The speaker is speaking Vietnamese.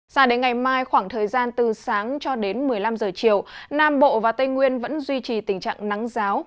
sao đến ngày mai khoảng thời gian từ sáng cho đến một mươi năm giờ chiều nam bộ và tây nguyên vẫn duy trì tình trạng nắng giáo